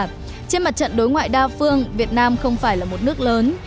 trên mặt trận đối ngoại đa phương việt nam không phải là một nước lớn